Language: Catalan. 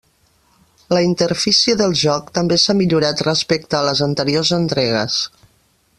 La interfície del joc també s'ha millorat respecte a les anteriors entregues.